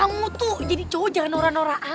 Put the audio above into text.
bukain pintu lah